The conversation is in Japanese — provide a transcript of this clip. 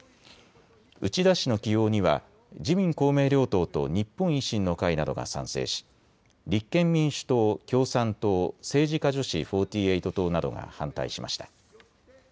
内田氏の起用には自民公明両党と日本維新の会などが賛成し、立憲民主党、共産党、政治家女子４８党などが反対しました。